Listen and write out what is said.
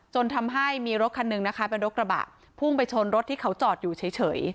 จนทำให้มีรถคันหนึ่งนะคะเป็นรถกระบะพุ่งไปชนรถที่เขาจอดอยู่เฉย